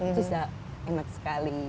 itu sudah enak sekali